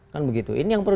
kan begitu ini yang perlu